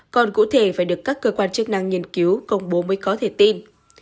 còn cụ thể phải được các cơ quan chức năng nghiên cứu công bố mới có thể tin